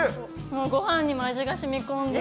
ご飯にも味が染み込んで。